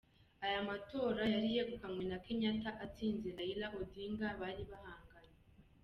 Aya matora yari yegukanywe na Kenyatta atsinze Raila Odinga bari bahanganye.